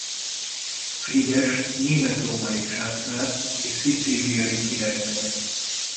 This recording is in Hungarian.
Frigyes német-római császár és szicíliai király menye.